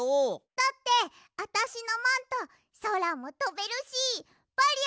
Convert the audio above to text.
だってあたしのマントそらもとべるしバリアーもできるんだもん。